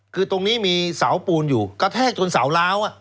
คือตรงนี้มีเสาปูนอยู่กระแทกจนเสาล้าว